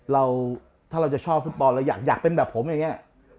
ถ้าเราจะชอบฟุตบอลเราอยากเป็นแบบผมอย่างนี้